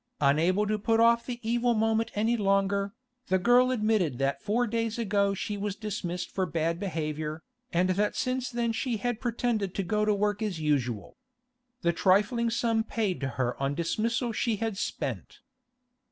Unable to put off the evil moment any longer, the girl admitted that four days ago she was dismissed for bad behaviour, and that since then she had pretended to go to work as usual. The trifling sum paid to her on dismissal she had spent.